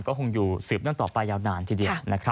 ก็คงอยู่สืบนั่งต่อไปยาวนานทีเดียวนะครับ